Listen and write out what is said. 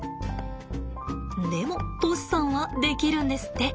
でも杜師さんはできるんですって。